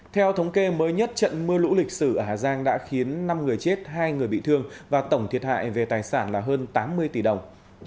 theo thống kê mới nhất trận mưa lũ lịch sử ở hà giang đã khiến năm người chết hai người bị thương và tổng thiệt hại về tài sản là hơn tám mươi tỷ đồng